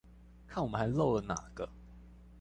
看我們還漏了哪個